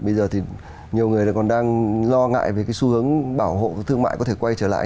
bây giờ thì nhiều người còn đang lo ngại về cái xu hướng bảo hộ thương mại có thể quay trở lại